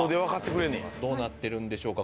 どうなってるんでしょうか？